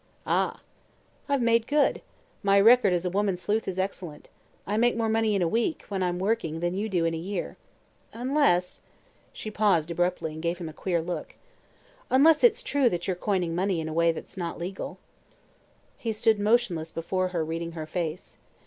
"Ah." "I've made good. My record as a woman sleuth is excellent. I make more money in a week when I'm working than you do in a year. Unless " She paused abruptly and gave him a queer look. "Unless it's true that you're coining money in a way that's not legal." He stood motionless before her, reading her face.